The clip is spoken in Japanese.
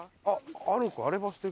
あっあるか？